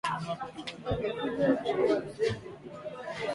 kununua petroli iliyo bei ya chini , hususan upande wa kusini mwa mpaka wa Mutukula